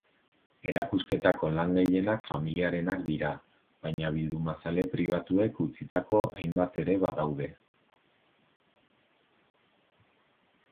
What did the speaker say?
Erakusketako lan gehienak familiarenak dira, baina bildumazale pribatuek utzitako hainbat ere badaude.